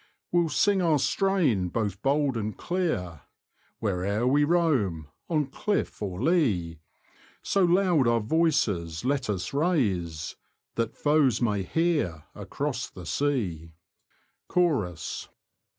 "We'll sing our strain both bold and clear. Where'er we roam, on cliff or lea ; So loud our voices let us raise, That foes may hear across the sea. Chorus.